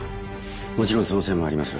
もちろんその線もあります。